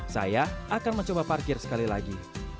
saya akan mencoba parkir sekali lagi